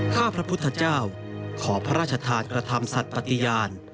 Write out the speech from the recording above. ข้าพระพุทธเจ้าขอพระราชทานกระทำสัตว์ปฏิญาณ